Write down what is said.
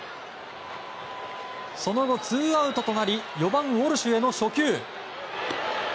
その後ツーアウトとなり４番、ウォルシュへの初球。